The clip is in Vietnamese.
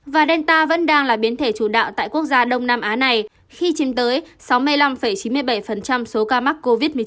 và delta vẫn đang là biến thể chủ đạo tại quốc gia đông nam á này khi chiếm tới sáu mươi năm chín mươi bảy số ca mắc covid một mươi chín